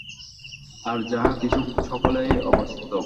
আর যাহা কিছু, সকলই অবাস্তব।